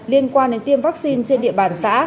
liên quan đến tiêm vaccine trên địa bàn xã